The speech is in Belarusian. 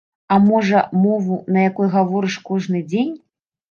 А можа, мову, на якой гаворыш кожны дзень?